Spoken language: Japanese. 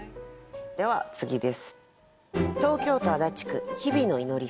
では次です。